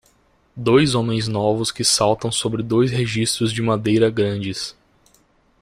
Dois homens novos que saltam sobre dois registros de madeira grandes.